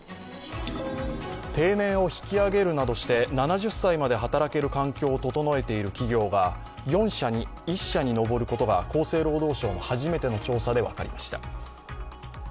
定年を引き上げるなどして７０歳まで働ける環境を整えている企業が４社に１社に上ることが厚生労働省の初めての調査で分かりました。